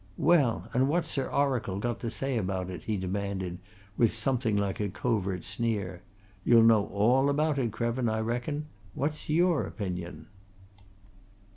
"Well, and what's Sir Oracle got to say about it?" he demanded, with something like a covert sneer. "You'll know all about it, Krevin, I reckon! What's your opinion?"